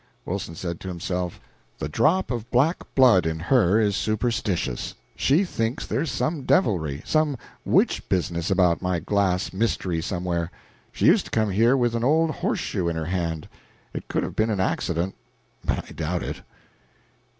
Wilson said to himself, "The drop of black blood in her is superstitious; she thinks there's some devilry, some witch business about my glass mystery somewhere; she used to come here with an old horseshoe in her hand; it could have been an accident, but I doubt it."